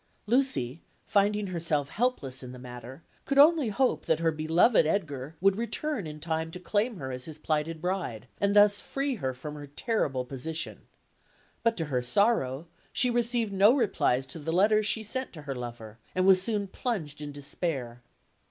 Lucy, finding herself helpless in the matter, could only hope that her beloved Edgar would return in time to claim her as his plighted bride, and thus free her from her terrible position; but to her sorrow, she received no replies to the letters she sent to her lover, and was soon plunged in despair.